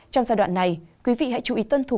trong giai đoạn này quý vị hãy chú ý tuân thủ